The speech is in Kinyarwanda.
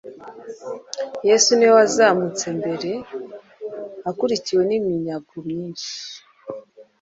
Yesu ni we wazamutse imbere akurikiwe n'iminyago myinshi,